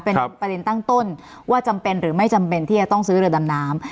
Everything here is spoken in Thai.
เป็นประเด็นตั้งต้นว่าจำเป็นหรือไม่จำเป็นที่จะต้องซื้อเรือดำน้ำ